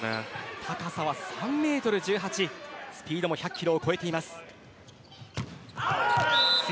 高さは３メートル１８スピードも１００キロを超えています。